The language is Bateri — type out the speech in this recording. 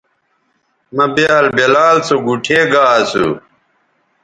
مہ بیال بلال سو گوٹھے گا اسو